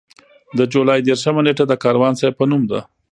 د جولای دېرشمه نېټه د کاروان صیب په نوم ده.